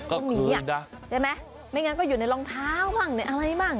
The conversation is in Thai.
ก็คืนใช่ไหมไม่งั้นก็อยู่ในรองเท้าอะไรบ้าง